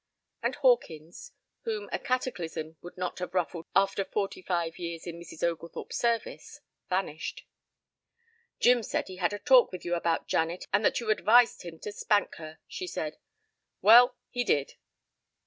And Hawkins, whom a cataclysm would not have ruffled after forty five years in Mrs. Oglethorpe's service, vanished. "Jim said he had a talk with you about Janet, and that you advised him to spank her," she said. "Well, he did."